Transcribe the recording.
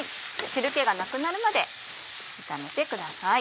汁気がなくなるまで炒めてください。